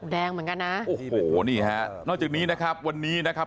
แดงเหมือนกันนะโอ้โหนี่ฮะนอกจากนี้นะครับวันนี้นะครับ